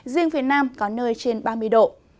riêng phía nam có nơi trên ba mươi độ